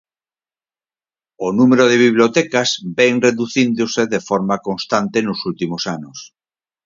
O número de bibliotecas vén reducíndose de forma constante nos últimos anos.